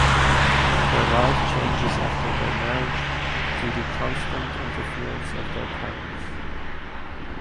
Their life changes after their marriage due to constant interference of their parents.